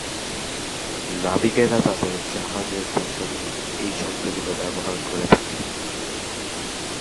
নাবিকেরা তাদের জাহাজের প্রসঙ্গে এই শব্দগুলো ব্যবহার করে থাকে।